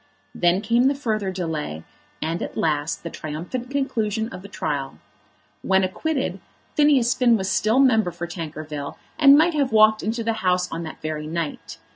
Then came the further delay, and at last the triumphant conclusion of the trial. When acquitted, Phineas Finn was still member for Tankerville and might have walked into the House on that very night.